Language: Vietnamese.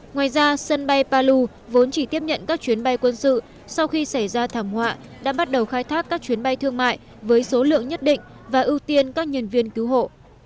ngoài ra sân bay palu vốn chỉ tiếp nhận các chuyến bay quân sự sau khi xảy ra thảm họa đã bắt đầu khai thác các chuyến bay thương mại với số lượng nhất định và ưu tiên các nhân viên cứu hộ